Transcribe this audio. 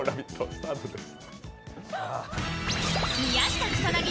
スタートです